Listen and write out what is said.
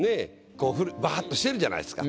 こうバァっとしてるじゃないですか。